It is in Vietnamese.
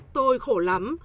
tôi khổ lắm